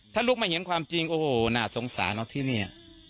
ถ้าลุกมาเห็นความจริงโอ้โหน่าสงสารเนอะที่นี่